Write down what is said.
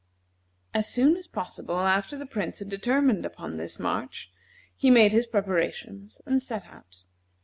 As soon as possible after the Prince had determined upon this march, he made his preparations, and set out.